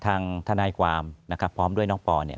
ทนายความนะครับพร้อมด้วยน้องปอเนี่ย